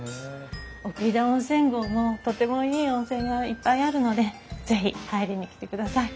奥飛騨温泉郷もとてもいい温泉がいっぱいあるので是非入りに来てください。